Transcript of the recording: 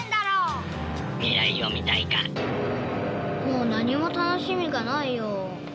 もう何も楽しみがないよ。